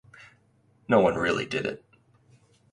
No one really did it.